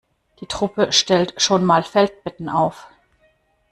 Die Truppe stellt schon mal Feldbetten auf.